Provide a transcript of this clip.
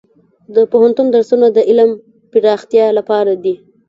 د پوهنتون درسونه د علم پراختیا لپاره دي.